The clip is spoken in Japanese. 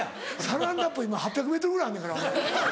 サランラップ今８００ｍぐらいあんねんから。